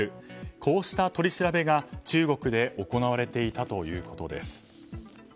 こうした取り調べが、中国で行われていたということです。